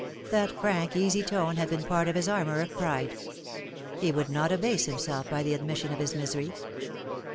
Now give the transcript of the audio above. That frank easy tone had been part of his armour of pride. He would not abase himself by the admission of his misery.